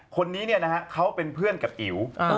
คนนี้เป็นเพื่อนกับอิ๋ว